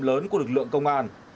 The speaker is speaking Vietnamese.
lớn của lực lượng công an